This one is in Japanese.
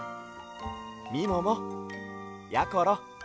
みももやころ